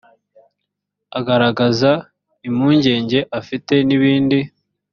agaragaza impungenge afite n ibindi